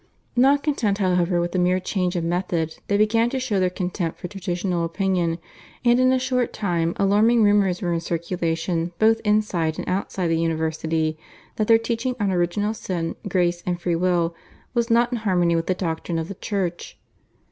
Not content, however, with a mere change of method they began to show their contempt for traditional opinions, and in a short time alarming rumours were in circulation both inside and outside the university that their teaching on Original Sin, Grace, and Free will, was not in harmony with the doctrine of the Church.